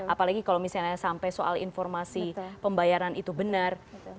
apalagi kalau misalnya sampai soal informasi pembayaran itu benar